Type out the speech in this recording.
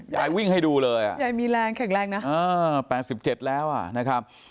ยายวิ่งให้ดูเลยยายมีแรงแข็งแรงนะ๘๗แล้วนะครับ